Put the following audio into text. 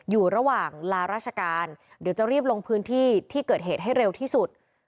อยู่ระหว่างลาราชการเดี๋ยวจะรีบลงพื้นที่ที่เกิดเหตุให้เร็วที่สุด